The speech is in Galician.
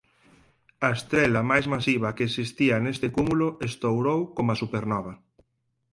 A estrela máis masiva que existía neste cúmulo estourou coma supernova.